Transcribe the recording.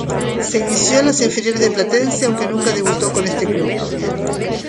Se inició en las inferiores de Platense aunque nunca debutó con este club.